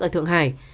ở thượng hải